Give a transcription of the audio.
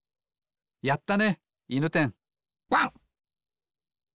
やったねいぬてんワン。